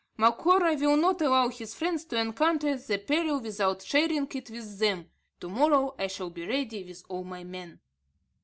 Macora will not allow his friends to encounter the peril without sharing it with them. To morrow I shall be ready with all my men."